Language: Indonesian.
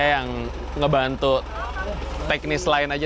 ini saya yang ngebantu teknis lain aja